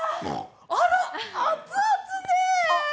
あら、熱々ね。